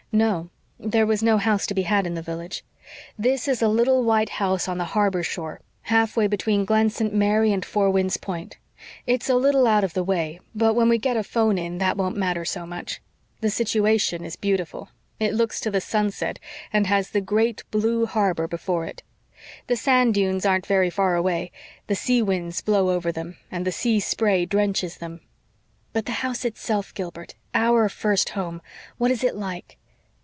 "No. There was no house to be had in the village. This is a little white house on the harbor shore, half way between Glen St. Mary and Four Winds Point. It's a little out of the way, but when we get a 'phone in that won't matter so much. The situation is beautiful. It looks to the sunset and has the great blue harbor before it. The sand dunes aren't very far away the sea winds blow over them and the sea spray drenches them." "But the house itself, Gilbert, OUR first home? What is it like?"